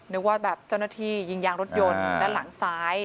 นึกว่าแบบเจ้าหน้าที่ยิงยางรถยนต์ด้านหลังซ้าย